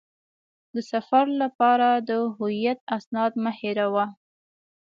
د سفر لپاره د هویت اسناد مه هېروه.